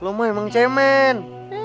lo mah emang cemen